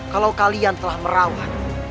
kalau kalian telah merawat